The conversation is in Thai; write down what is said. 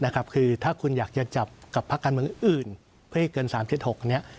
คือถ้าคุณอยากจะจับกับพักการเมืองอื่นเพื่อให้เกิน๓๗๖เนี่ย